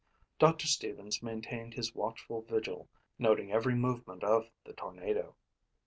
Doctor Stevens maintained his watchful vigil, noting every movement of the tornado.